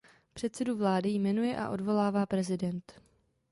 Předsedu vlády jmenuje a odvolává prezident.